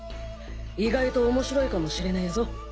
意外とおもしろいかもしれねえぞ。